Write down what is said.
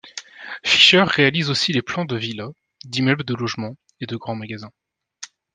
Fischer réalise aussi les plans de villas, d'immeubles de logement et de grands magasins.